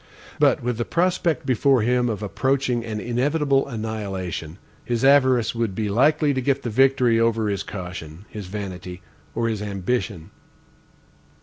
But with the prospect before him of approaching an inevitable annihilation, his avarice would be likely to get the victory over his caution, his vanity, or his ambition.